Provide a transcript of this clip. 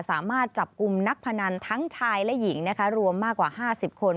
สามารถจับกลุ่มนักพนันทั้งชายและหญิงนะคะรวมมากกว่า๕๐คน